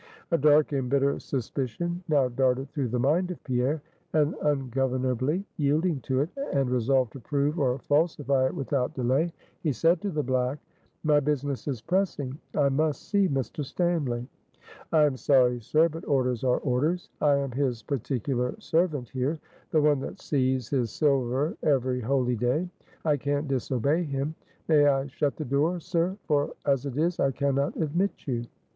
A dark and bitter suspicion now darted through the mind of Pierre; and ungovernably yielding to it, and resolved to prove or falsify it without delay, he said to the black: "My business is pressing. I must see Mr. Stanly." "I am sorry, sir, but orders are orders: I am his particular servant here the one that sees his silver every holyday. I can't disobey him. May I shut the door, sir? for as it is, I can not admit you."